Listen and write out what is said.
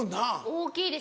大きいです。